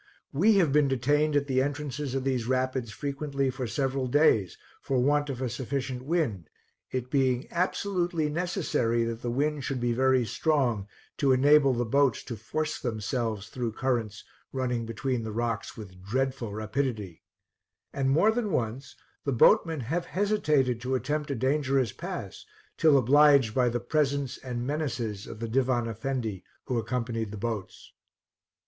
We have been detained at the entrances of these rapids frequently for several days, for want of a sufficient wind, it being absolutely necessary that the wind should be very strong to enable the boats to force themselves through currents running between the rocks with dreadful rapidity; and more than once the boatmen have hesitated to attempt a dangerous pass till obliged by the presence and menaces of the Divan Effendi who accompanied the boats.